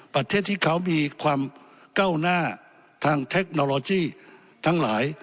ประเทศที่เขามีความก้าวหน้าทางเทคโนโลยีทั้งหลาย